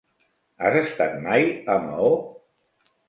Has estat mai a Maó?